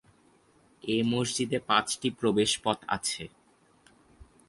এ মসজিদে পাঁচটি প্রবেশপথ আছে।